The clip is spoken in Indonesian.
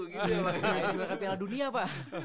kayak dua kapial dunia pak